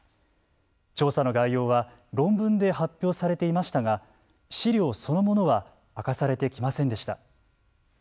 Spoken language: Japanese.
調査の概要は論文で発表されていましたが資料そのものは明かされてきませんでした。